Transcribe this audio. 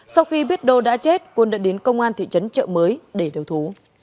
sau khi biết đô đã chết quân đã đến công an thị trấn trợ mới để đầu thú